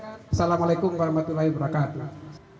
assalamu'alaikum warahmatullahi wabarakatuh